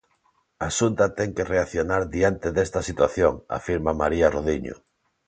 A Xunta ten que reaccionar diante desta situación, afirma María Rodiño.